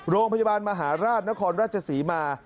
โรงพยาบาลมหาราชนครราชศรีมา